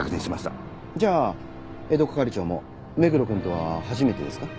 じゃあ江戸係長も目黒くんとは初めてですか？